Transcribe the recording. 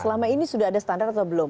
selama ini sudah ada standar atau belum